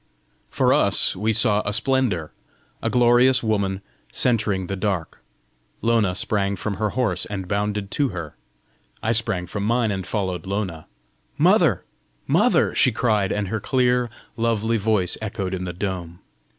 For us, we saw a splendour, a glorious woman centring the dark. Lona sprang from her horse, and bounded to her. I sprang from mine, and followed Lona. "Mother! mother!" she cried, and her clear, lovely voice echoed in the dome.